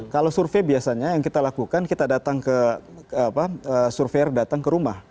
kalau survei biasanya yang kita lakukan survei datang ke rumah